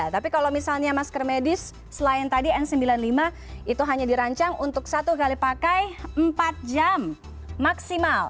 tapi kalau misalnya masker medis selain tadi n sembilan puluh lima itu hanya dirancang untuk satu kali pakai empat jam maksimal